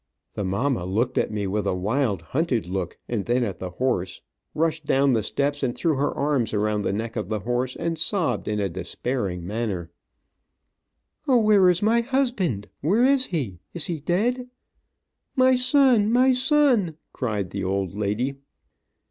The mamma looked at me with a wild, hunted look, then at the horse, rushed down the steps and threw her arms around the neck of the horse and sobbed in a despairing manner: "O, where is my husband? Where is he? Is he dead? "My son, my son!" cried the old lady.